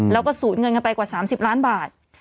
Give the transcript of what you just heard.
แล้วก็สูญเงินกันไปกว่า๓๐ล้านบาท